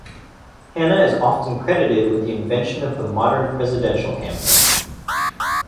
Hanna is often credited with the invention of the modern presidential campaign.